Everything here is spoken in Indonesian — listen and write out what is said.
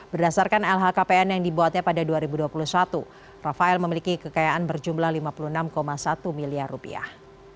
berdasarkan lhkpn yang dibuatnya pada dua ribu dua puluh satu rafael memiliki kekayaan berjumlah lima puluh enam satu miliar rupiah